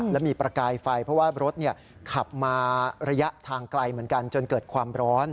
และมีประกายไฟเพราะว่ารถขับมาระยะทางไกลเหมือนกันจนเกิดความร้อน